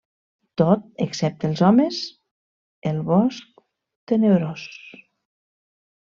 Tot, excepte els homes el bosc Tenebrós.